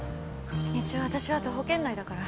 一応私は徒歩圏内だから。